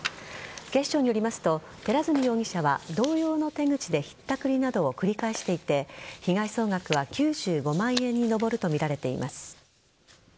警視庁によりますと寺墨容疑者は同様の手口でひったくりなどを繰り返していて被害総額は９５万円に上るとみられています。